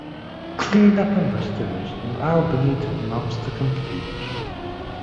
Cleanup and restoration of Albany took months to complete.